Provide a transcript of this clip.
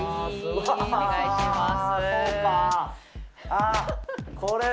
お願いします。